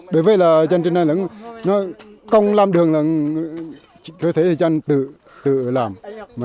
đối với là dân trên này công làm đường là cơ thể dân tự làm